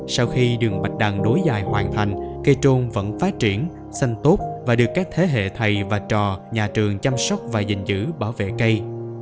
sau khi đường bạch đằng nối dài hoàn thành cây trôn vẫn phát triển xanh tốt và được các thế hệ thầy và trò nhà trường chăm sóc và giữ bảo vệ cây